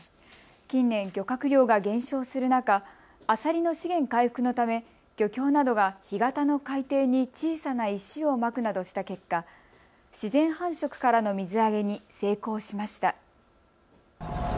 近年、漁獲量が減少する中、アサリの資源回復のため漁協などが干潟の海底に小さな石をまくなどした結果、自然繁殖からの水揚げに成功しました。